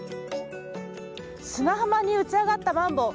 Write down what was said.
砂浜に打ち揚がったマンボウ。